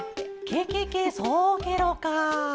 ケケケそうケロか！